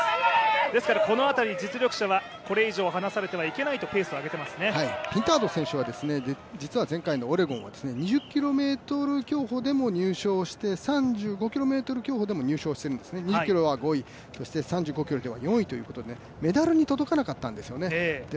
ですからこの辺り実力者はこれ以上離されてはいけないとピンタード選手は前回のオレゴンは２０ｋｍ競歩でも入賞をして３５ｋｍ競歩でも入賞しているんですね、２０ｋｍは５位、そして３５ｋｍでは４位ということでメダルに届かなかったんですよね。